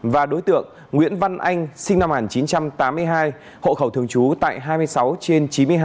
và đối tượng nguyễn văn anh sinh năm một nghìn chín trăm tám mươi hai hộ khẩu thường trú tại hai mươi sáu trên chín mươi hai